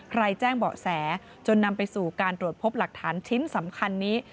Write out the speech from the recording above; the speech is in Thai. แจ้งเบาะแสจนนำไปสู่การตรวจพบหลักฐานชิ้นสำคัญนี้